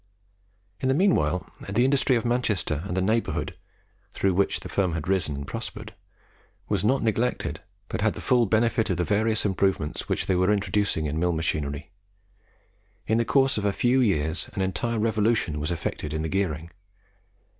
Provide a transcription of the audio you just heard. In the mean while the industry of Manchester and the neighbourhood, through which the firm had risen and prospered, was not neglected, but had the full benefit of the various improvements which they were introducing in mill machinery. In the course of a few years an entire revolution was effected in the gearing.